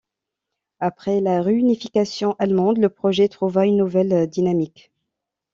Après la réunification allemande le projet trouva une nouvelle dynamique.